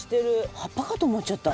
葉っぱかと思っちゃった。